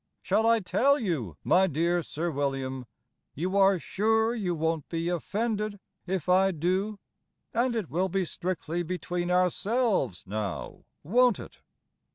Shall I tell you, my dear Sir William? You are sure you won't be offended if I do? And it will be strictly between ourselves, now, won't it?